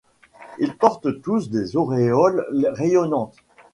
Ils portent tous des auréoles rayonnantes.